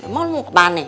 mau lu mau kemana